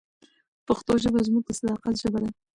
پښتو ژبه زموږ د صداقت ژبه ده.